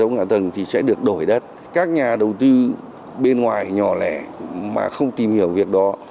hệ thống hạ tầng thì sẽ được đổi đất các nhà đầu tư bên ngoài nhỏ lẻ mà không tìm hiểu việc đó